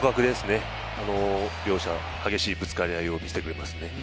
互角ですね。両者、激しいぶつかり合いをしていますね。